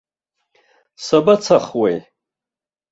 Сабацахуеи.